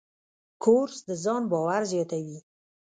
کورس د ځان باور زیاتوي.